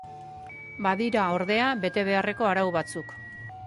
Badira ordea bete beharreko arau batzuk.